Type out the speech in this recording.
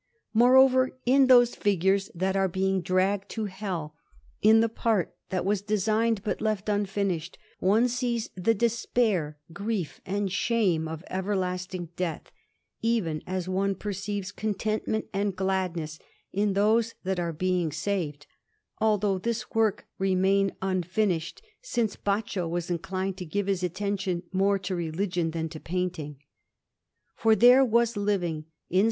Moreover, in those figures that are being dragged to Hell, in the part that was designed but left unfinished, one sees the despair, grief, and shame of everlasting death, even as one perceives contentment and gladness in those that are being saved; although this work remained unfinished, since Baccio was inclined to give his attention more to religion than to painting. For there was living in S.